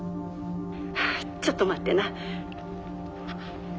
ちょっと待ってな。